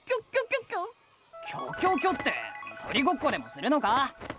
キョキョキョって鳥ごっこでもするのか？